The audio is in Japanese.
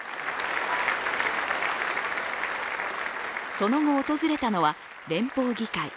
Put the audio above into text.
その後、訪れたのは連邦議会。